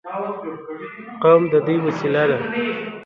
قوم د دوی وسیله ده.